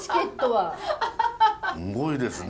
すごいですね。